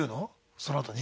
そのあとに？